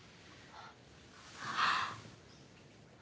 ああ！